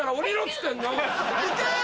行け！